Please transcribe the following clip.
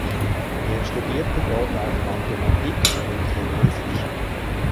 Er studierte dort auch Mathematik und Chinesisch.